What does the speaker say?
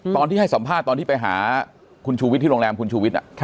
ตอนที่ให้สัมภาษณ์ตอนที่ไปหาคุณชูวิทย์ที่โรงแรมคุณชูวิทย์